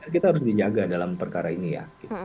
kita harus dijaga dalam perkara ini ya